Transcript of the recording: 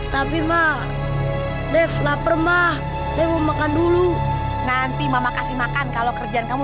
tapi mah deflaper mah mau makan dulu nanti mama kasih makan kalau kerjaan kamu